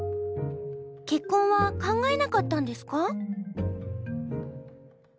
結婚は考えなかったんですか？